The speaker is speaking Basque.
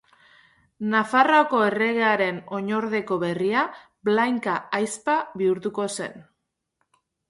Nafarroako erregearen oinordeko berria Blanka ahizpa bihurtuko zen.